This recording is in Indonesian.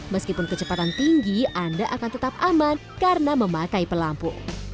meskipun kecepatan tinggi anda akan tetap aman karena memakai pelampu